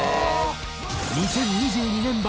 ２０２２年版